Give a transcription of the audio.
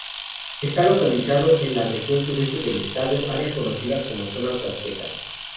Está localizado en la región sureste del estado, área conocida como zona Huasteca.